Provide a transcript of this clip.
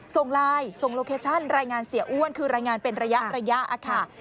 ส่งไลน์ส่งโลเคชั่นรายงานเสียอ้วนคือรายงานเป็นระยะค่ะ